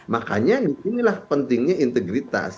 makanya inilah pentingnya integritas